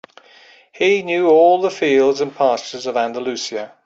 He knew all the fields and pastures of Andalusia.